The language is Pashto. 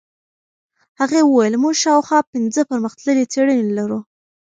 هغې وویل موږ شاوخوا پنځه پرمختللې څېړنې لرو.